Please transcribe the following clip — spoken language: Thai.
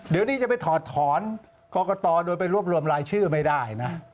ได้นะ